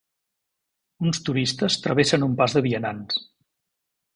Uns turistes travessen un pas de vianants.